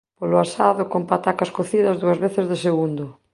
Polo asado con patacas cocidas dúas veces de segundo